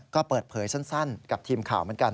ก็เปิดเผยสั้นกับทีมข่าวเหมือนกัน